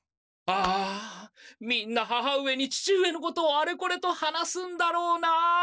ああみんな母上に父上のことあれこれと話すんだろうなあ。